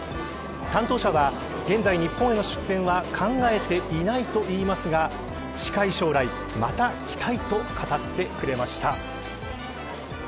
担当者は現在日本への出店は考えていないと言いますが近い将来また来たいと語ってくれました。